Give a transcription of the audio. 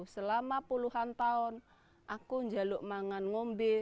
selama puluhan tahun aku menjeluk makan ngombe